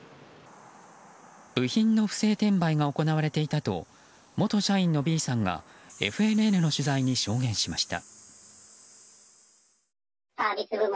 部品の不正転売が行われていたと元社員のＢさんがＦＮＮの取材に証言しました。